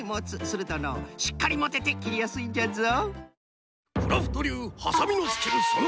するとのうしっかりもてて切りやすいんじゃぞ。